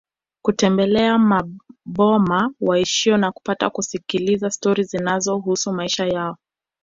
Kutembelea maboma waishio na kupata kusikiliza stori zinazohusu maisha yao